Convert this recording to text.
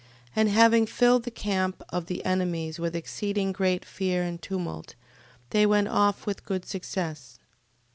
And having filled the camp of the enemies with exceeding great fear and tumult, they went off with good success.